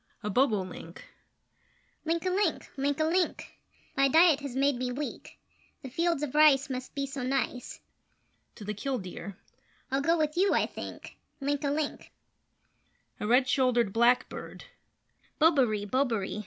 [A Bobolink]: Link a link! Link a link! My diet has made me weak; The fields of rice must be so nice. [To the Kildeer]: I'll go with you, I think Link a link! [A Red Shouldered Blackbird]: Bobaree! Bobaree!